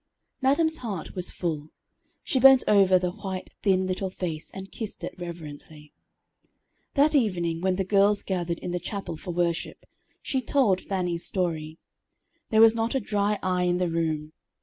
Madam's heart was full. She bent over the white, thin, little face, and kissed it reverently. That evening, when the girls gathered in the chapel for worship, she told Fannie's story. There was not a dry eye in the room.